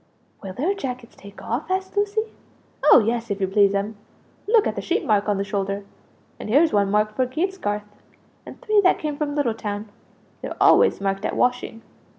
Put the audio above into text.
"Will their jackets take off?" asked Lucie. "Oh yes, if you please'm; look at the sheep mark on the shoulder. And here's one marked for Gatesgarth, and three that come from Little town. They're always marked at washing!"